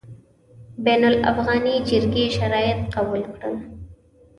بین الافغاني جرګې شرایط قبول کړل.